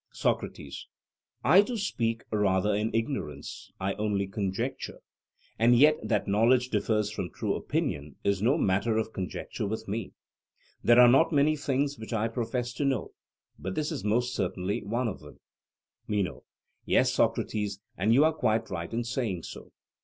SOCRATES: I too speak rather in ignorance; I only conjecture. And yet that knowledge differs from true opinion is no matter of conjecture with me. There are not many things which I profess to know, but this is most certainly one of them. MENO: Yes, Socrates; and you are quite right in saying so.